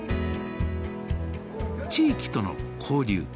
地域との交流。